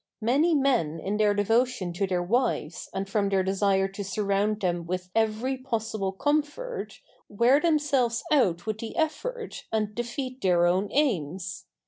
Many men in their devotion to their wives and from their desire to surround them with every possible comfort wear themselves out with the effort and defeat their own aims.